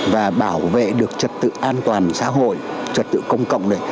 và bảo vệ được trật tự an toàn xã hội trật tự công cộng này